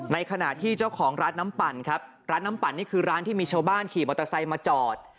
ในขณะที่เจ้าของร้านน้ำปั่นครับร้านน้ำปั่นนี่คือร้านที่มีชาวบ้านขี่มอเตอร์ไซค์มาจอด